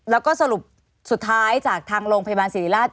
แล้วก็สรุปสุดท้ายจากทางโรงพยาบาลศิริราช